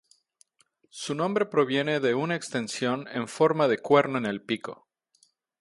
Su nombre proviene de una extensión en forma de cuerno en el pico.